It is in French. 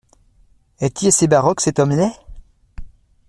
Est-y assez baroque, cet homme-là…